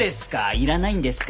いらないんですか？